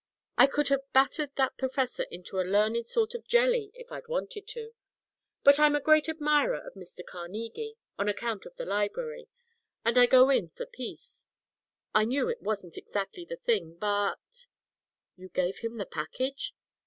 I could have battered that professor into a learned sort of jelly if I'd wanted to. But I'm a great admirer of Mr. Carnegie, on account of the library, and I go in for peace. I knew it wasn't exactly the thing, but " "You gave him the package?"